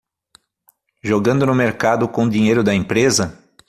Jogando no mercado com o dinheiro da empresa?